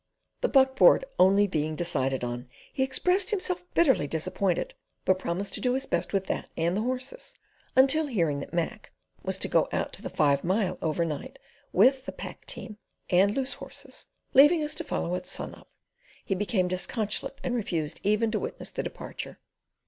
The buck board only being decided on, he expressed himself bitterly disappointed, but promised to do his best with that and the horses; until hearing that Mac was to go out to the "five mile" overnight with the pack team and loose horses, leaving us to follow at sun up, he became disconsolate and refused even to witness the departure.